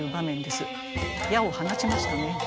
矢を放ちましたね。